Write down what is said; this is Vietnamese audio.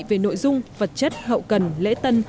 về nội dung vật chất hậu cần lễ tân